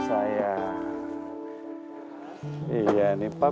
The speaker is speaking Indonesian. sekarang kesekalanan disimpan